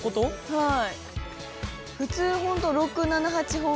はい。